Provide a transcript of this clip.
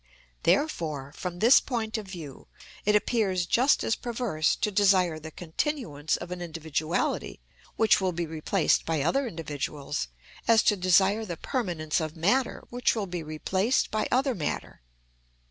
Therefore, from this point of view, it appears just as perverse to desire the continuance of an individuality which will be replaced by other individuals as to desire the permanence of matter which will be replaced by other matter.